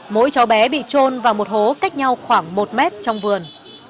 mỗi cháu bé bị trôn vào một hố cách nhau khoảng một mét trong vườn